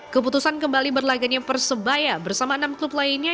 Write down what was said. keputusan kembali berlaganya persebaya bersama enam klub lainnya